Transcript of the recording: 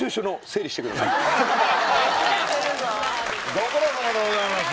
ご苦労さまでございます。